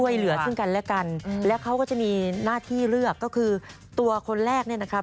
ช่วยเหลือซึ่งกันและกันแล้วเขาก็จะมีหน้าที่เลือกก็คือตัวคนแรกเนี่ยนะครับ